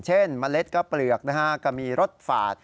เช่นมะเล็ดก็เปลือกนะครับก็มีรสฝาด